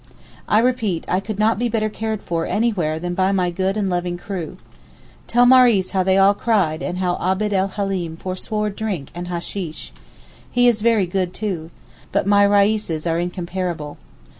I repeat I could not be better cared for anywhere than by my good and loving crew. Tell Maurice how they all cried and how Abd el Haleem forswore drink and hasheesh. He is very good too. But my Reises are incomparable.